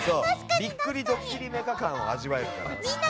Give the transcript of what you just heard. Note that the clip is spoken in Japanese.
ビックリドッキリメカ感を味わえるから。